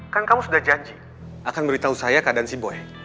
kan kamu sudah janji akan beritahu saya keadaan si boy